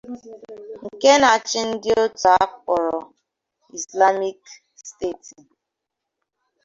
nke na-achị ndị otu a kpọrọ izlamik steeti